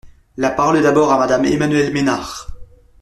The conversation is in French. La parole est d’abord à Madame Emmanuelle Ménard.